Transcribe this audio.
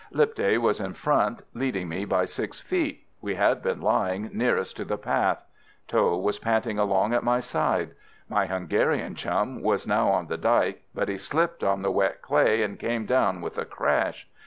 Lipthay was in front, leading me by 6 feet; we had been lying nearest to the path. Tho was panting along at my side. My Hungarian chum was now on the dyke, but he slipped on the wet clay, and came down with a crash.